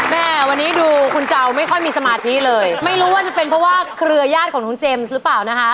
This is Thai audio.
แม่วันนี้ดูคุณเจ้าไม่ค่อยมีสมาธิเลยไม่รู้ว่าจะเป็นเพราะว่าเครือญาติของน้องเจมส์หรือเปล่านะคะ